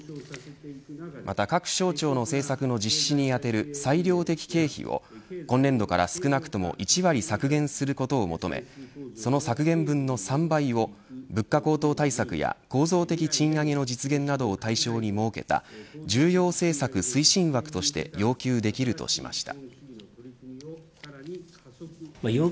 また各省庁の政策の実施に充てる裁量的経費を今年度から少なくとも１割削減することを求めその削減分の３倍を物価高騰対策や構造的賃上げの実現などを対象に設けた重要政策推進枠として要求できるとしました。